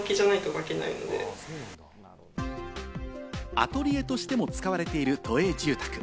アトリエとしても使われている都営住宅。